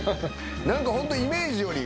何かイメージより。